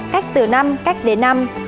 cách từ năm cách đến năm